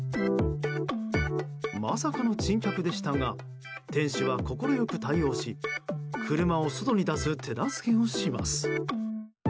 まさかの珍客でしたが店主は快く対応し車を外に出す手助けをします。